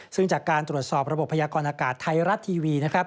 ซึ่งจากการตรวจสอบระบบพยากรอากาศไทยรัตน์ทีวี